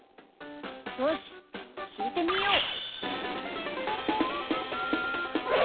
よしきいてみよう！